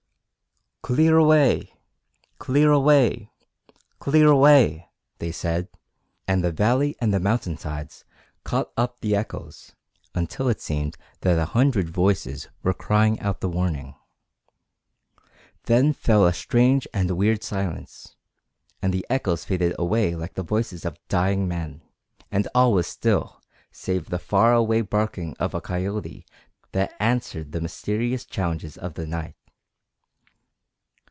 "Clear away! Clear away! Clear away!" they said, and the valley and the mountain sides caught up the echoes, until it seemed that a hundred voices were crying out the warning. Then fell a strange and weird silence, and the echoes faded away like the voices of dying men, and all was still save the far away barking of a coyote that answered the mysterious challenges of the night.